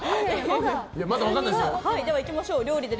まだ分からないですよ。